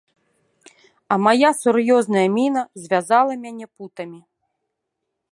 А мая сур'ёзная міна звязала мяне путамі.